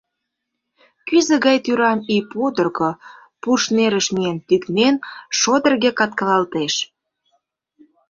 Кӱзӧ гай тӱран ий пудырго, пуш нерыш миен тӱкнен, шодырге каткалалтеш.